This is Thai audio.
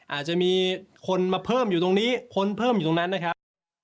อาจจะมีคนมาเพิ่มอยู่ตรงนี้คนเพิ่มอยู่ตรงนั้นนะครับ